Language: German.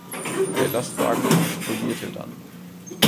Der Lastwagen explodierte dann.